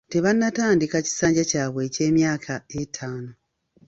Tebannatandika kisanja kyabwe eky’emyaka ettaano.